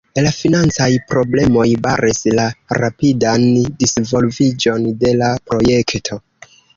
La financaj problemoj baris la rapidan disvolviĝon de la projekto.